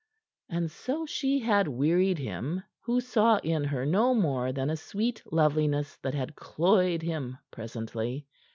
And so she had wearied him, who saw in her no more than a sweet loveliness that had cloyed him presently.